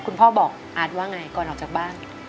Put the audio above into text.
คุณพ่อบอกอาร์ตว่าไงก่อนออกจากบ้าน